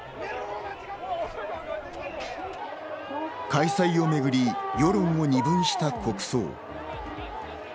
開催をめぐり世論を二分した国葬。